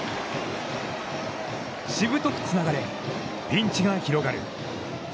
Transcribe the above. しぶとくつながれ、ピンチが広がる。